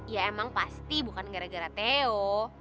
ya emang pasti bukan gara gara theo